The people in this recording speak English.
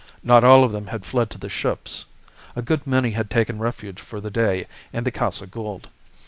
Not all of them had fled to the ships. A good many had taken refuge for the day in the Casa Gould.